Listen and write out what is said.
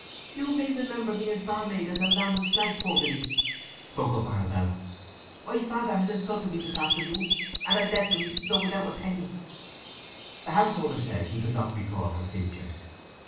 "You may remember me as barmaid at the Lamb and Flag formerly?" spoke up Arabella. "My father has insulted me this afternoon, and I've left him, though without a penny!" The householder said he could not recall her features.